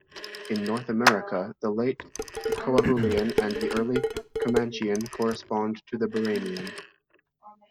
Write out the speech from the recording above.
In North America, the late Coahulian and the early Comanchean correspond to the Barremian.